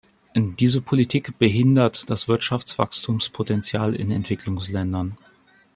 Diese Politik behindert das Wirtschaftswachstumspotenzial in Entwicklungsländern.